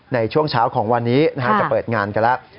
ในช่วงเช้าของวันนี้จะเปิดงานกันแล้ว